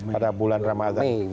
pada bulan ramadhan